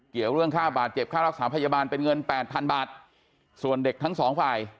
เกี่ยวเรื่องค่าบาดเจ็บค่ารักษาพยาบาลเป็นเงินแปดพันบาทส่วนเด็กทั้งสองฝ่าย